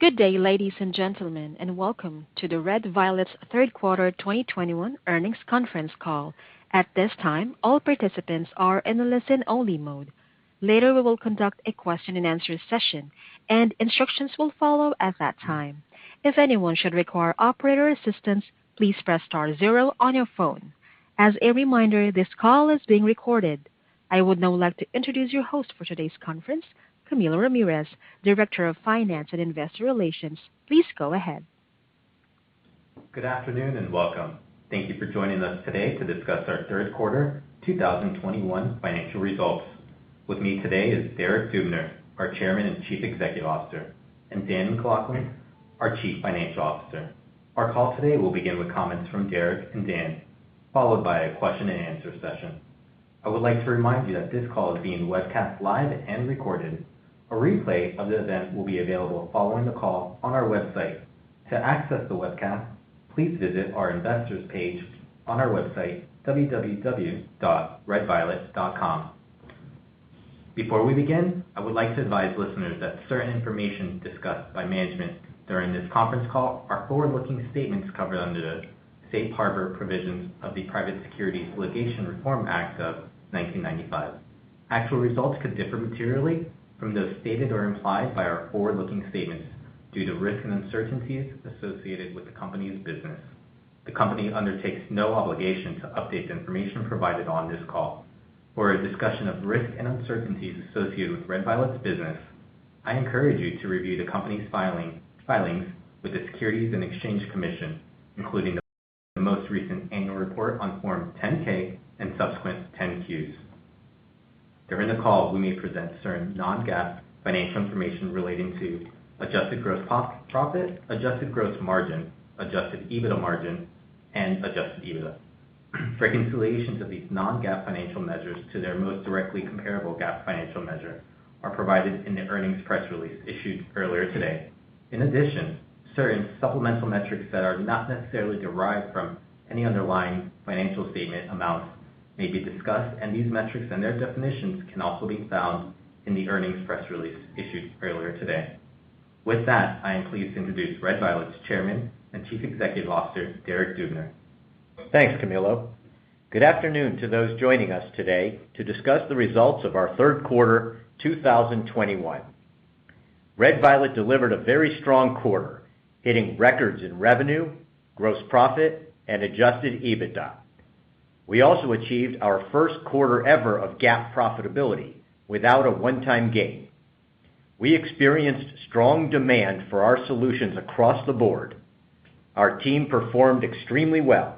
Good day, ladies and gentlemen, and welcome to Red Violet's third quarter 2021 earnings conference call. At this time, all participants are in a listen-only mode. Later, we will conduct a question-and-answer session, and instructions will follow at that time. If anyone should require operator assistance, please press star zero on your phone. As a reminder, this call is being recorded. I would now like to introduce your host for today's conference, Camilo Ramirez, Director of Finance and Investor Relations. Please go ahead. Good afternoon, and welcome. Thank you for joining us today to discuss our third quarter 2021 financial results. With me today is Derek Dubner, our Chairman and Chief Executive Officer, and Dan MacLachlan, our Chief Financial Officer. Our call today will begin with comments from Derek and Dan, followed by a question-and-answer session. I would like to remind you that this call is being webcast live and recorded. A replay of the event will be available following the call on our website. To access the webcast, please visit our investors page on our website, www.redviolet.com. Before we begin, I would like to advise listeners that certain information discussed by management during this conference call are forward-looking statements covered under the safe harbor provisions of the Private Securities Litigation Reform Act of 1995. Actual results could differ materially from those stated or implied by our forward-looking statements due to risks and uncertainties associated with the company's business. The company undertakes no obligation to update the information provided on this call. For a discussion of risks and uncertainties associated with Red Violet's business, I encourage you to review the company's filings with the Securities and Exchange Commission, including the most recent annual report on Form 10-K and subsequent 10-Qs. During the call, we may present certain non-GAAP financial information relating to adjusted gross profit, adjusted gross margin, adjusted EBITDA margin, and adjusted EBITDA. Reconciliations of these non-GAAP financial measures to their most directly comparable GAAP financial measure are provided in the earnings press release issued earlier today. In addition, certain supplemental metrics that are not necessarily derived from any underlying financial statement amounts may be discussed, and these metrics and their definitions can also be found in the earnings press release issued earlier today. With that, I am pleased to introduce Red Violet's Chairman and Chief Executive Officer, Derek Dubner. Thanks, Camilo. Good afternoon to those joining us today to discuss the results of our third quarter 2021. Red Violet delivered a very strong quarter, hitting records in revenue, gross profit, and adjusted EBITDA. We also achieved our first quarter ever of GAAP profitability without a one-time gain. We experienced strong demand for our solutions across the board. Our team performed extremely well,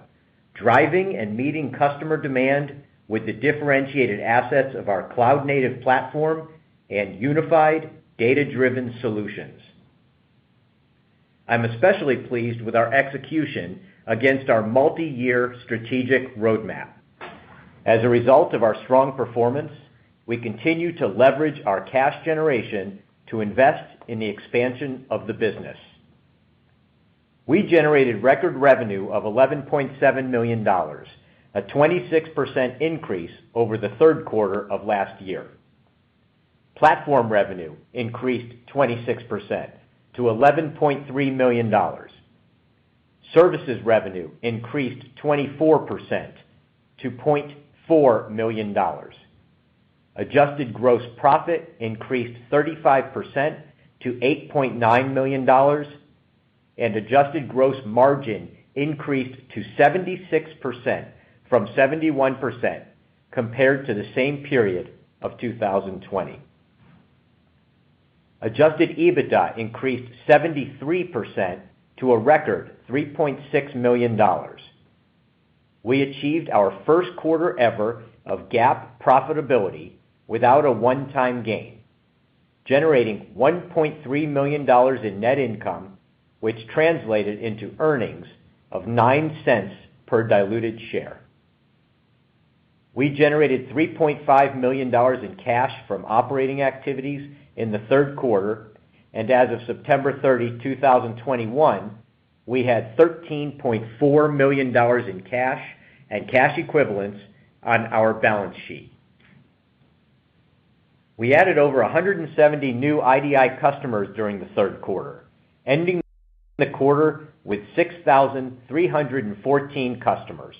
driving and meeting customer demand with the differentiated assets of our cloud-native platform and unified data-driven solutions. I'm especially pleased with our execution against our multi-year strategic roadmap. As a result of our strong performance, we continue to leverage our cash generation to invest in the expansion of the business. We generated record revenue of $11.7 million, a 26% increase over the third quarter of last year. Platform revenue increased 26% to $11.3 million. Services revenue increased 24% to $0.4 million. Adjusted gross profit increased 35% to $8.9 million, and adjusted gross margin increased to 76% from 71% compared to the same period of 2020. Adjusted EBITDA increased 73% to a record $3.6 million. We achieved our first quarter ever of GAAP profitability without a one-time gain, generating $1.3 million in net income, which translated into earnings of $0.09 per diluted share. We generated $3.5 million in cash from operating activities in the third quarter, and as of September 30, 2021, we had $13.4 million in cash and cash equivalents on our balance sheet. We added over 170 new IDI customers during the third quarter, ending the quarter with 6,314 customers.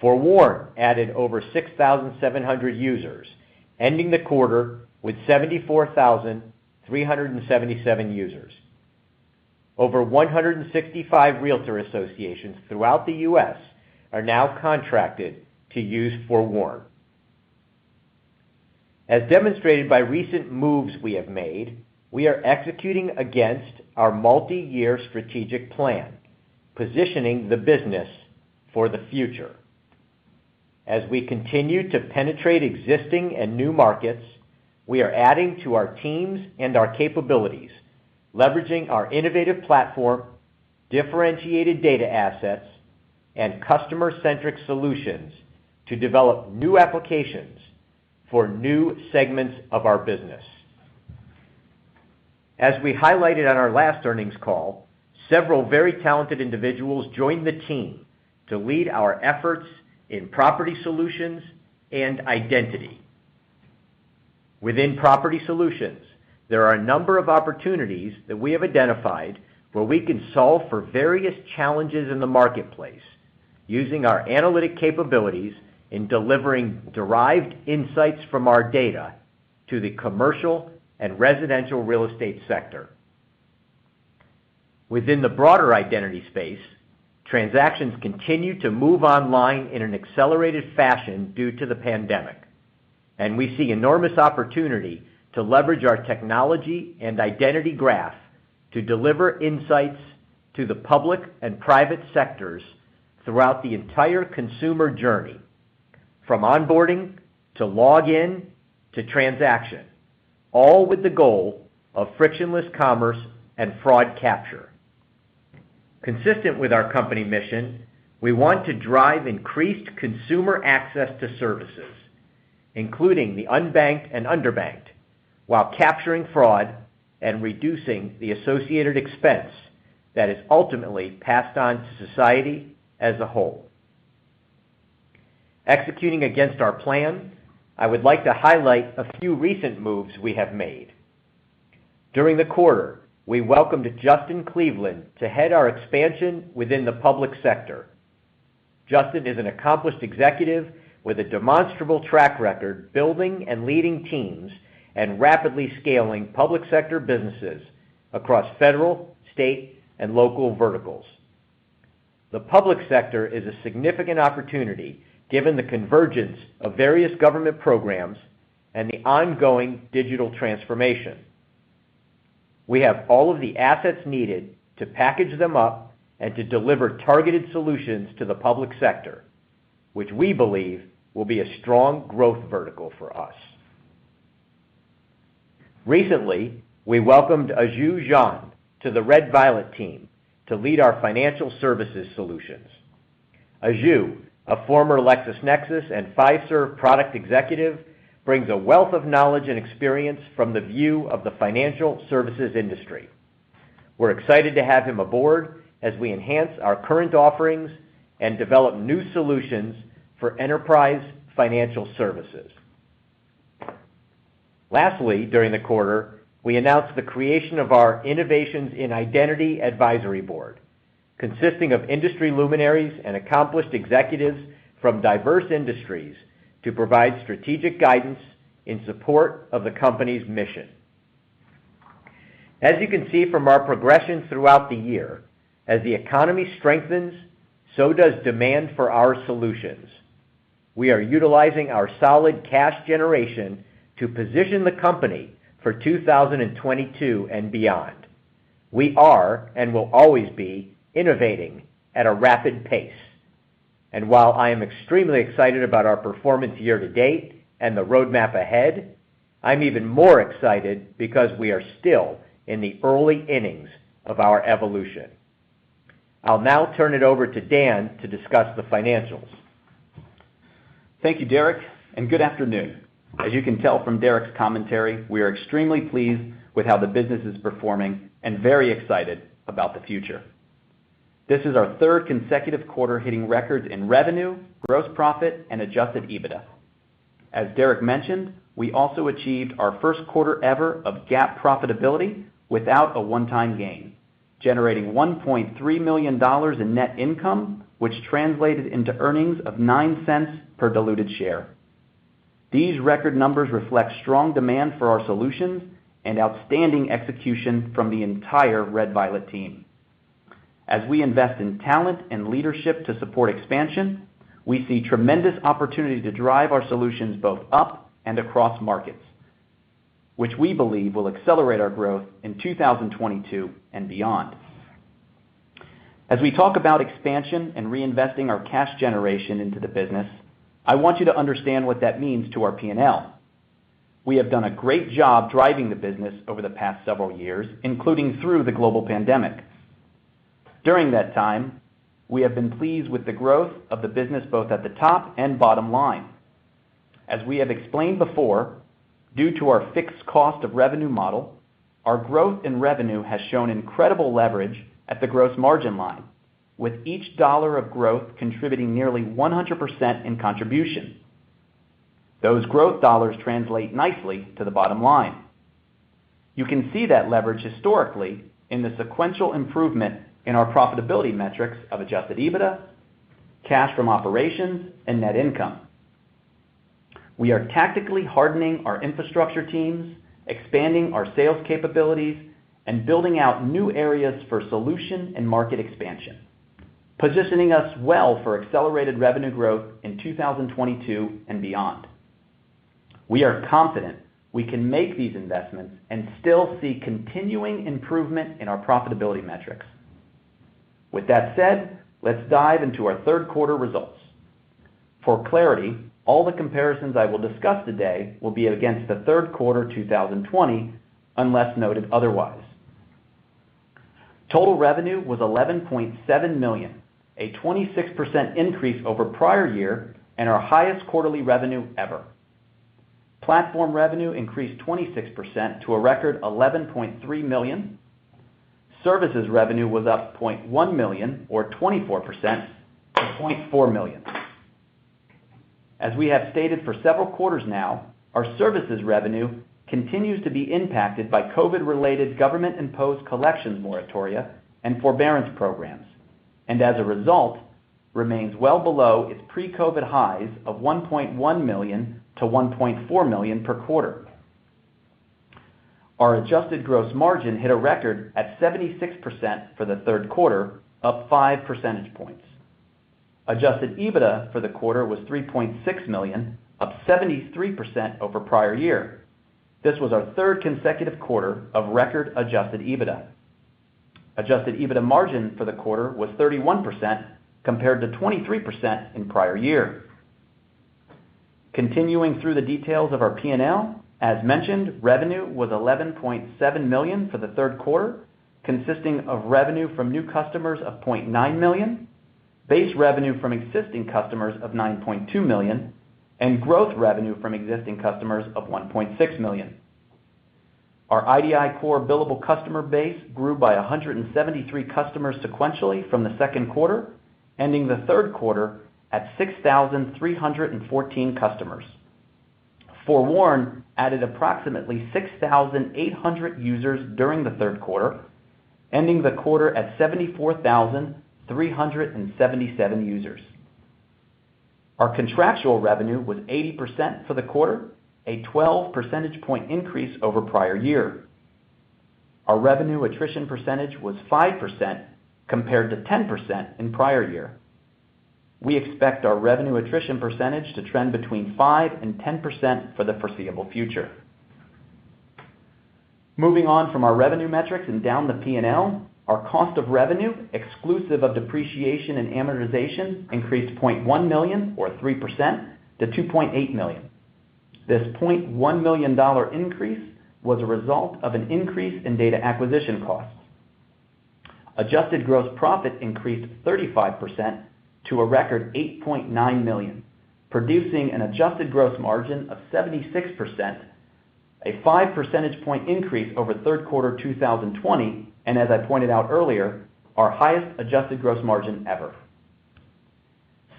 FOREWARN added over 6,700 users, ending the quarter with 74,377 users. Over 165 realtor associations throughout the U.S. are now contracted to use FOREWARN. As demonstrated by recent moves we have made, we are executing against our multi-year strategic plan, positioning the business for the future. As we continue to penetrate existing and new markets, we are adding to our teams and our capabilities, leveraging our innovative platform, differentiated data assets, and customer-centric solutions to develop new applications for new segments of our business. As we highlighted on our last earnings call, several very talented individuals joined the team to lead our efforts in property solutions and identity. Within property solutions, there are a number of opportunities that we have identified where we can solve for various challenges in the marketplace using our analytic capabilities in delivering derived insights from our data to the commercial and residential real estate sector. Within the broader identity space, transactions continue to move online in an accelerated fashion due to the pandemic, and we see enormous opportunity to leverage our technology and identity graph to deliver insights to the public and private sectors throughout the entire consumer journey, from onboarding to login to transaction, all with the goal of frictionless commerce and fraud capture. Consistent with our company mission, we want to drive increased consumer access to services, including the unbanked and underbanked, while capturing fraud and reducing the associated expense that is ultimately passed on to society as a whole. Executing against our plan, I would like to highlight a few recent moves we have made. During the quarter, we welcomed Justin Cleveland to head our expansion within the public sector. Justin is an accomplished executive with a demonstrable track record building and leading teams and rapidly scaling public sector businesses across federal, state, and local verticals. The public sector is a significant opportunity given the convergence of various government programs and the ongoing digital transformation. We have all of the assets needed to package them up and to deliver targeted solutions to the public sector, which we believe will be a strong growth vertical for us. Recently, we welcomed Azhu Zhan to the Red Violet team to lead our financial services solutions. Azhu, a former LexisNexis and Fiserv product executive, brings a wealth of knowledge and experience from the view of the financial services industry. We're excited to have him aboard as we enhance our current offerings and develop new solutions for enterprise financial services. Lastly, during the quarter, we announced the creation of our Innovations in Identity Advisory Board, consisting of industry luminaries and accomplished executives from diverse industries to provide strategic guidance in support of the company's mission. As you can see from our progression throughout the year, as the economy strengthens, so does demand for our solutions. We are utilizing our solid cash generation to position the company for 2022 and beyond. We are, and will always be, innovating at a rapid pace. While I am extremely excited about our performance year to date and the roadmap ahead, I'm even more excited because we are still in the early innings of our evolution. I'll now turn it over to Dan to discuss the financials. Thank you, Derek, and good afternoon. As you can tell from Derek's commentary, we are extremely pleased with how the business is performing and very excited about the future. This is our third consecutive quarter hitting records in revenue, gross profit, and adjusted EBITDA. As Derek mentioned, we also achieved our first quarter ever of GAAP profitability without a one-time gain, generating $1.3 million in net income, which translated into earnings of $0.09 per diluted share. These record numbers reflect strong demand for our solutions and outstanding execution from the entire Red Violet team. As we invest in talent and leadership to support expansion, we see tremendous opportunity to drive our solutions both up and across markets, which we believe will accelerate our growth in 2022 and beyond. As we talk about expansion and reinvesting our cash generation into the business, I want you to understand what that means to our P&L. We have done a great job driving the business over the past several years, including through the global pandemic. During that time, we have been pleased with the growth of the business, both at the top and bottom line. As we have explained before, due to our fixed cost of revenue model, our growth in revenue has shown incredible leverage at the gross margin line, with each dollar of growth contributing nearly 100% in contribution. Those growth dollars translate nicely to the bottom line. You can see that leverage historically in the sequential improvement in our profitability metrics of adjusted EBITDA, cash from operations, and net income. We are tactically hardening our infrastructure teams, expanding our sales capabilities, and building out new areas for solution and market expansion, positioning us well for accelerated revenue growth in 2022 and beyond. We are confident we can make these investments and still see continuing improvement in our profitability metrics. With that said, let's dive into our third quarter results. For clarity, all the comparisons I will discuss today will be against the third quarter 2020, unless noted otherwise. Total revenue was $11.7 million, a 26% increase over prior year and our highest quarterly revenue ever. Platform revenue increased 26% to a record $11.3 million. Services revenue was up $0.1 million or 24% to $0.4 million. As we have stated for several quarters now, our services revenue continues to be impacted by COVID-related government-imposed collections moratoria and forbearance programs, and as a result, remains well below its pre-COVID highs of $1.1 million-$1.4 million per quarter. Our adjusted gross margin hit a record at 76% for the third quarter, up five percentage points. Adjusted EBITDA for the quarter was $3.6 million, up 73% over prior year. This was our third consecutive quarter of record adjusted EBITDA. Adjusted EBITDA margin for the quarter was 31% compared to 23% in prior year. Continuing through the details of our P&L, as mentioned, revenue was $11.7 million for the third quarter, consisting of revenue from new customers of $0.9 million, base revenue from existing customers of $9.2 million, and growth revenue from existing customers of $1.6 million. Our idiCORE billable customer base grew by 173 customers sequentially from the second quarter, ending the third quarter at 6,314 customers. FOREWARN added approximately 6,800 users during the third quarter, ending the quarter at 74,377 users. Our contractual revenue was 80% for the quarter, a 12 percentage point increase over prior year. Our revenue attrition percentage was 5% compared to 10% in prior year. We expect our revenue attrition percentage to trend between 5%-10% for the foreseeable future. Moving on from our revenue metrics and down the P&L, our cost of revenue, exclusive of depreciation and amortization, increased $0.1 million or 3% to $2.8 million. This $0.1 million increase was a result of an increase in data acquisition costs. Adjusted gross profit increased 35% to a record $8.9 million, producing an adjusted gross margin of 76%, a five percentage point increase over third quarter 2020, and as I pointed out earlier, our highest adjusted gross margin ever.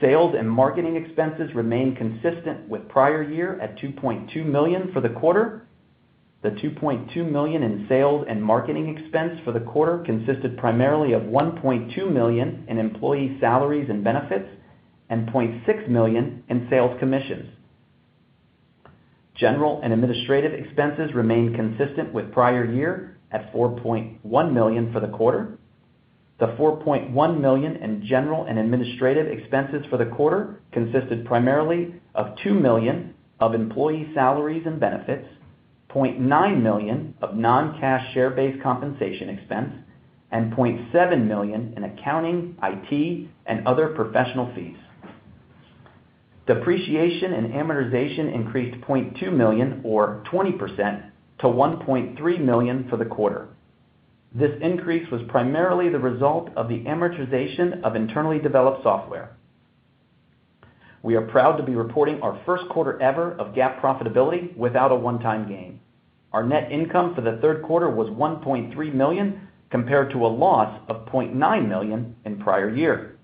Sales and marketing expenses remain consistent with prior year at $2.2 million for the quarter. The $2.2 million in sales and marketing expense for the quarter consisted primarily of $1.2 million in employee salaries and benefits and $0.6 million in sales commissions. General and administrative expenses remained consistent with prior year at $4.1 million for the quarter. The $4.1 million in general and administrative expenses for the quarter consisted primarily of $2 million of employee salaries and benefits, $0.9 million of non-cash share-based compensation expense, and $0.7 million in accounting, IT, and other professional fees. Depreciation and amortization increased $0.2 million or 20% to $1.3 million for the quarter. This increase was primarily the result of the amortization of internally developed software. We are proud to be reporting our first quarter ever of GAAP profitability without a one-time gain. Our net income for the third quarter was $1.3 million compared to a loss of $0.9 million in prior year.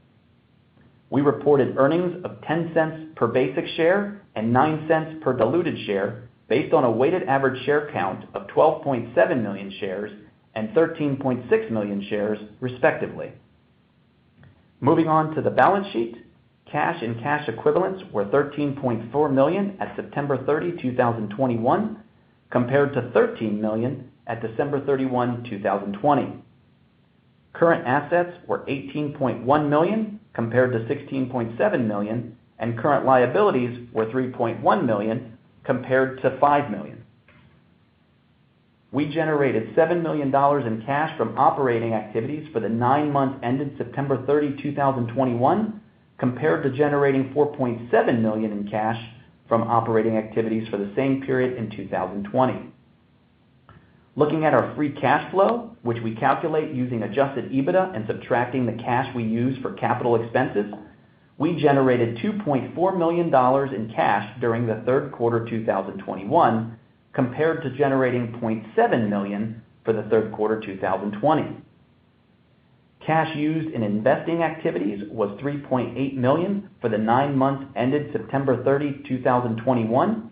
We reported earnings of $0.10 per basic share and $0.09 per diluted share based on a weighted average share count of 12.7 million shares and 13.6 million shares, respectively. Moving on to the balance sheet, cash and cash equivalents were $13.4 million at September 30, 2021, compared to $13 million at December 31, 2020. Current assets were $18.1 million compared to $16.7 million, and current liabilities were $3.1 million compared to $5 million. We generated $7 million in cash from operating activities for the nine months ended September 30, 2021, compared to generating $4.7 million in cash from operating activities for the same period in 2020. Looking at our free cash flow, which we calculate using adjusted EBITDA and subtracting the cash we use for capital expenses, we generated $2.4 million in cash during the third quarter 2021 compared to generating $0.7 million for the third quarter 2020. Cash used in investing activities was $3.8 million for the nine months ended September 30, 2021,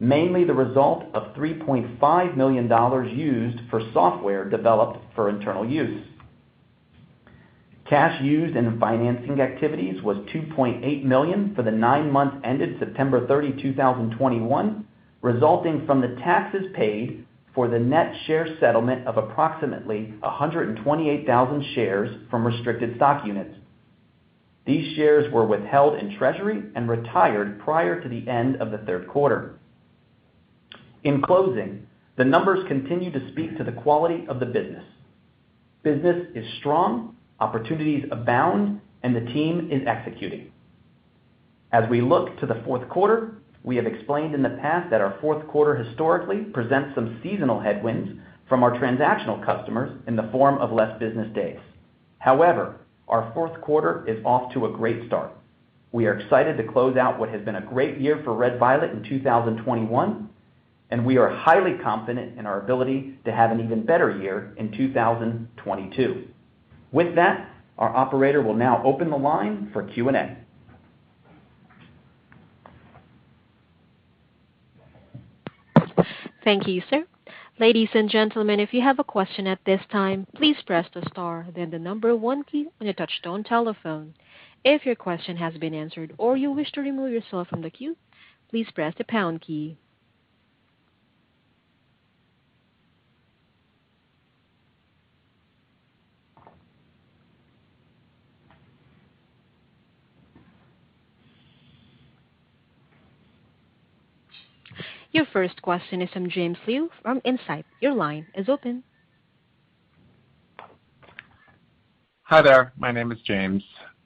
mainly the result of $3.5 million used for software developed for internal use. Cash used in financing activities was $2.8 million for the nine months ended September 30, 2021, resulting from the taxes paid for the net share settlement of approximately 128,000 shares from restricted stock units. These shares were withheld in treasury and retired prior to the end of the third quarter. In closing, the numbers continue to speak to the quality of the business. Business is strong, opportunities abound, and the team is executing. As we look to the fourth quarter, we have explained in the past that our fourth quarter historically presents some seasonal headwinds from our transactional customers in the form of less business days. However, our fourth quarter is off to a great start. We are excited to close out what has been a great year for Red Violet in 2021, and we are highly confident in our ability to have an even better year in 2022. With that, our operator will now open the line for Q&A. Thank you, sir. Ladies and gentlemen, if you have a question at this time, please press the star, then the number one key on your touchtone telephone. If your question has been answered or you wish to remove yourself from the queue, please press the pound key. Your first question is from James Liu from Insight. Your line is open. Hi there. My name is James.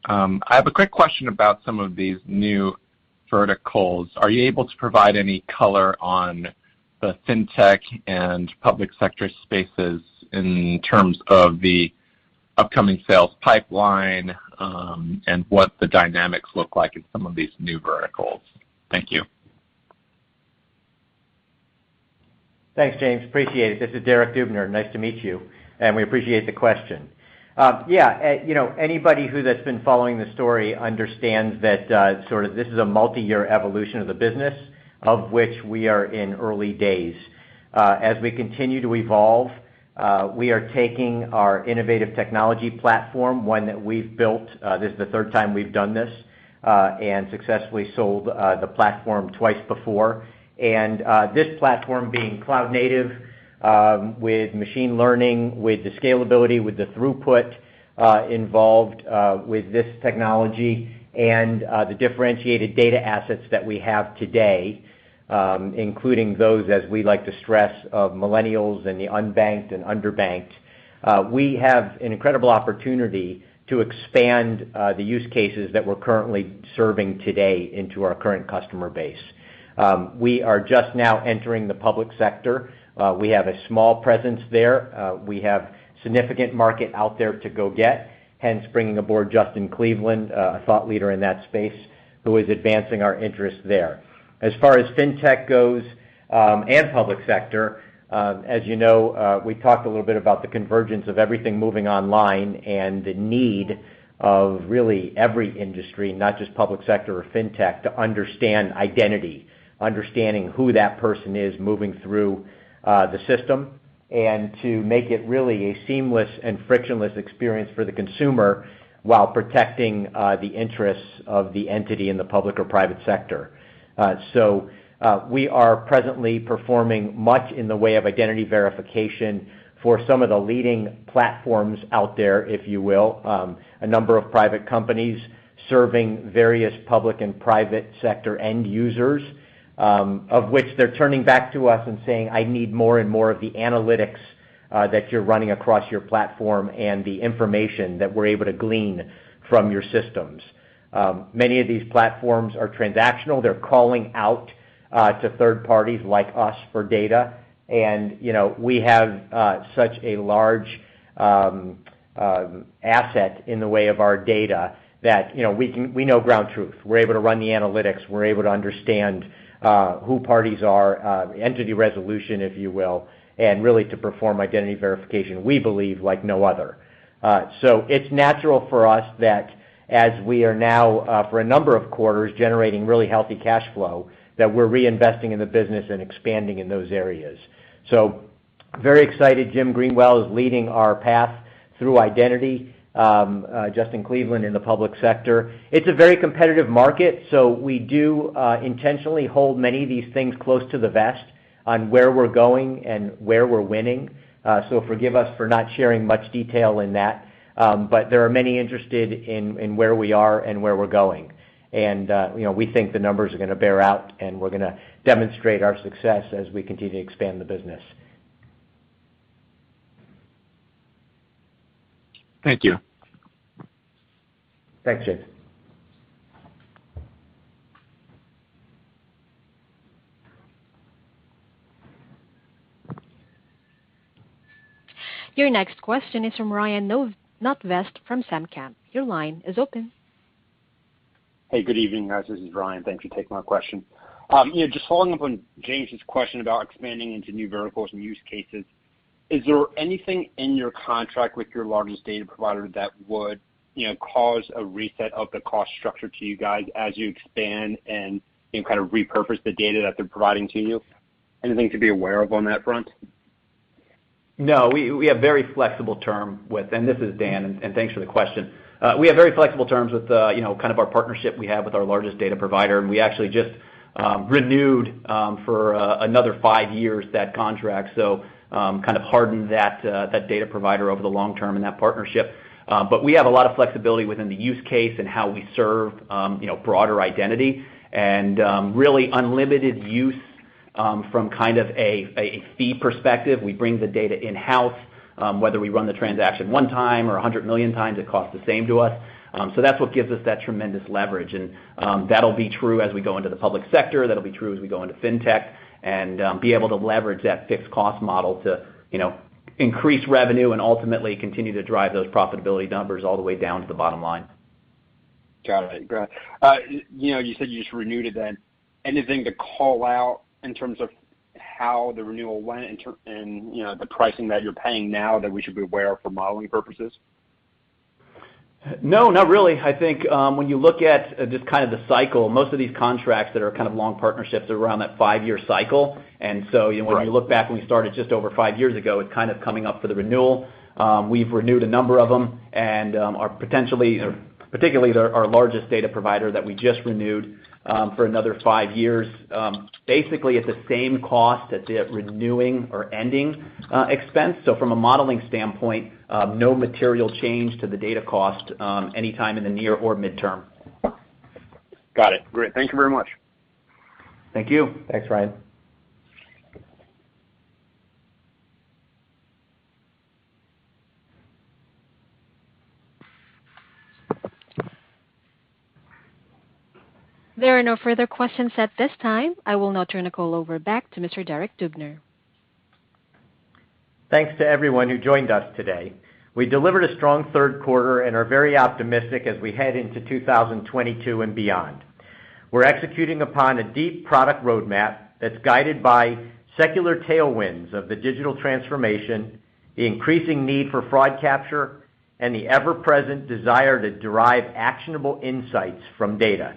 I have a quick question about some of these new verticals. Are you able to provide any color on the fintech and public sector spaces in terms of the upcoming sales pipeline, and what the dynamics look like in some of these new verticals? Thank you. Thanks, James. Appreciate it. This is Derek Dubner. Nice to meet you, and we appreciate the question. You know, anybody who's been following the story understands that sort of this is a multi-year evolution of the business of which we are in early days. As we continue to evolve, we are taking our innovative technology platform, one that we've built. This is the third time we've done this, and successfully sold the platform twice before. This platform being cloud native, with machine learning, with the scalability, with the throughput involved with this technology and the differentiated data assets that we have today, including those as we like to stress of millennials and the unbanked and underbanked. We have an incredible opportunity to expand the use cases that we're currently serving today into our current customer base. We are just now entering the public sector. We have a small presence there. We have significant market out there to go get, hence bringing aboard Justin Cleveland, a thought leader in that space, who is advancing our interests there. As far as fintech goes, and public sector, as you know, we talked a little bit about the convergence of everything moving online and the need of really every industry, not just public sector or fintech, to understand identity, understanding who that person is moving through the system, and to make it really a seamless and frictionless experience for the consumer while protecting the interests of the entity in the public or private sector. We are presently performing much in the way of identity verification for some of the leading platforms out there, if you will. A number of private companies serving various public and private sector end users, of which they're turning back to us and saying, "I need more and more of the analytics that you're running across your platform and the information that we're able to glean from your systems." Many of these platforms are transactional. They're calling out to third parties like us for data. You know, we have such a large asset in the way of our data that, you know, we know ground truth. We're able to run the analytics, we're able to understand who parties are, entity resolution, if you will, and really to perform identity verification, we believe, like no other. It's natural for us that as we are now, for a number of quarters generating really healthy cash flow, that we're reinvesting in the business and expanding in those areas. Very excited. Jim Greenwell is leading our path through identity, Justin Cleveland in the public sector. It's a very competitive market, so we do intentionally hold many of these things close to the vest on where we're going and where we're winning. Forgive us for not sharing much detail in that. But there are many interested in where we are and where we're going. You know, we think the numbers are gonna bear out, and we're gonna demonstrate our success as we continue to expand the business. Thank you. Thanks, James. Your next question is from Ryan Notvest from SemCap. Your line is open. Hey, good evening, guys. This is Ryan. Thank you for taking my question. you know, just following up on James' question about expanding into new verticals and use cases. Is there anything in your contract with your largest data provider that would, you know, cause a reset of the cost structure to you guys as you expand and, you know, kind of repurpose the data that they're providing to you? Anything to be aware of on that front? No, we have very flexible terms with. This is Dan, thanks for the question. We have very flexible terms with, you know, kind of our partnership we have with our largest data provider. We actually just renewed for another 5 years that contract. We kind of hardened that data provider over the long term and that partnership. We have a lot of flexibility within the use case and how we serve, you know, broader identity and really unlimited use from kind of a fee perspective. We bring the data in-house, whether we run the transaction 1 time or 100 million times, it costs the same to us. That's what gives us that tremendous leverage. That'll be true as we go into the public sector. That'll be true as we go into fintech and be able to leverage that fixed cost model to, you know, increase revenue and ultimately continue to drive those profitability numbers all the way down to the bottom line. Got it. Great. You know, you said you just renewed it then. Anything to call out in terms of how the renewal went and, you know, the pricing that you're paying now that we should be aware of for modeling purposes? No, not really. I think when you look at just kind of the cycle, most of these contracts that are kind of long partnerships are around that five-year cycle, you know. Right When you look back when we started just over five years ago, it's kind of coming up for the renewal. We've renewed a number of them and are potentially or particularly our largest data provider that we just renewed for another five years, basically at the same cost that they're renewing or ending expense. From a modeling standpoint, no material change to the data cost anytime in the near or midterm. Got it. Great. Thank you very much. Thank you. Thanks, Ryan. There are no further questions at this time. I will now turn the call over back to Mr. Derek Dubner. Thanks to everyone who joined us today. We delivered a strong third quarter and are very optimistic as we head into 2022 and beyond. We're executing upon a deep product roadmap that's guided by secular tailwinds of the digital transformation, the increasing need for fraud capture, and the ever-present desire to derive actionable insights from data.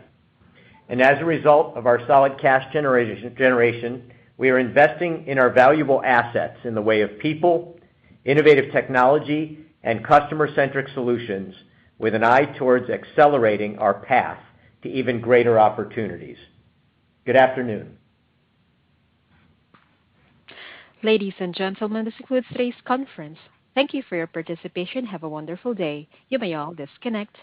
As a result of our solid cash generation, we are investing in our valuable assets in the way of people, innovative technology, and customer-centric solutions with an eye towards accelerating our path to even greater opportunities. Good afternoon. Ladies and gentlemen, this concludes today's conference. Thank you for your participation. Have a wonderful day. You may all disconnect.